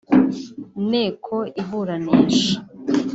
inteko iburanisha